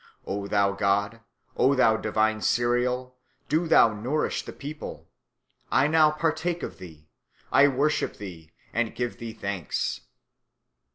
O thou god, O thou divine cereal, do thou nourish the people. I now partake of thee. I worship thee and give thee thanks.'